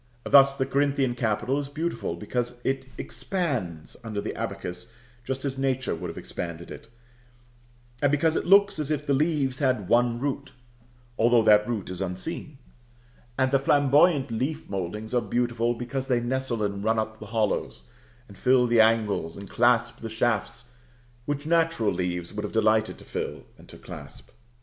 Thus the Corinthian capital is beautiful, because it expands under the abacus just as Nature would have expanded it; and because it looks as if the leaves had one root, though that root is unseen. And the flamboyant leaf mouldings are beautiful, because they nestle and run up the hollows, and fill the angles, and clasp the shafts which natural leaves would have delighted to fill and to clasp.